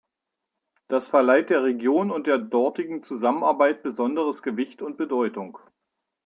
Das verleiht der Region und der dortigen Zusammenarbeit besonderes Gewicht und Bedeutung.